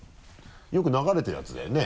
よく流れてるやつだよね？